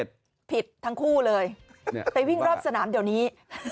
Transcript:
โจรจะไปเลยไปวิ่งรอบสนามเดี๋ยวนี้